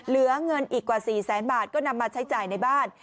เหลือเงินอีกกว่า๔แสนบาทก็นำมาใช้จ่ายในบ้าน